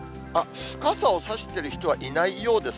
傘を差している人はいないようですね。